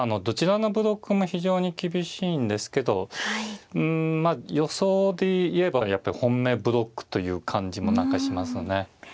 どちらのブロックも非常に厳しいんですけどうんまあ予想で言えばやっぱり本命ブロックという感じも何かしますね。